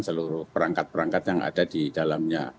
seluruh perangkat perangkat yang ada di dalamnya